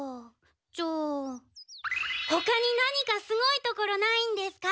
じゃあほかに何かすごいところないんですか？